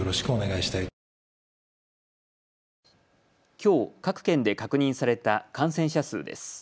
きょう各県で確認された感染者数です。